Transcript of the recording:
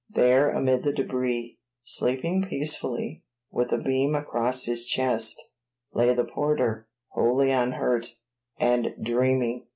There amid the debris, sleeping peacefully, with a beam across his chest, lay the porter, wholly unhurt, and dreaming.